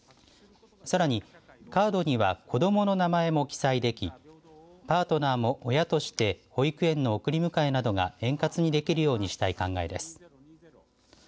さらにカードには子どもの名前も記載できパートナーも親として保育園の送り迎えなどが円滑にできるようにしたい考えです。